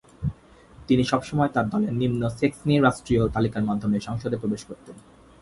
তিনি সবসময় তার দলের নিম্ন স্যাক্সনি রাষ্ট্রীয় তালিকার মাধ্যমে সংসদে প্রবেশ করতেন।